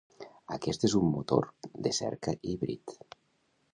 Aquest és un motor de cerca híbrid.